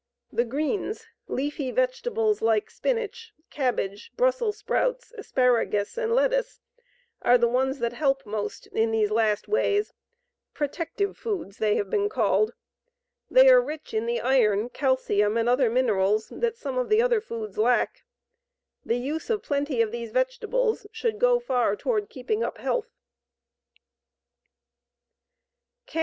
The "greens," leafy vegetables like spinach, cabbage, Brussels sprouts, asparagus, and lettuce, are the ones that help most in these last ways "protective foods," they have been called. They are rich in the iron, calcium, and other minerals that some of the other foods lack. The use of plenty of these vegetables should go far toward keeping up health.